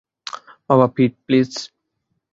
বাবা, Pete, please!